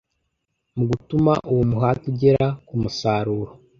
mu gutuma uwo muhati ugera ku musaruro